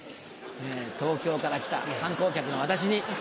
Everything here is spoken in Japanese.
東京から来た観光客の私に。